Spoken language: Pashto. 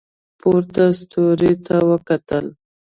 پورته یې ستوري ته وکتل.